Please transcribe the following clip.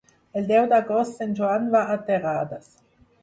El deu d'agost en Joan va a Terrades.